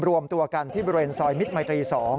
รวมตัวกันที่บริเวณซอยมิตรมัยตรี๒